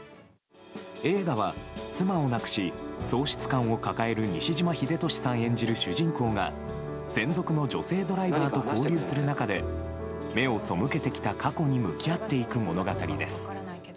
映画は、妻を亡くし、喪失感を抱える西島秀俊さん演じる主人公が、専属の女性ドライバーと交流する中で、目を背けてきた過去に向き合っていく物語です。